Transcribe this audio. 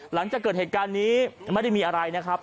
หลังจากเกิดเหตุการณ์นี้ไม่ได้มีอะไรนะครับ